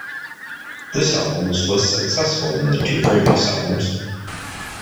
This album was less successful than the two previous albums.